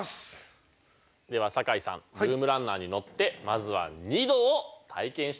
では酒井さんルームランナーに乗ってまずは２度を体験してみてください。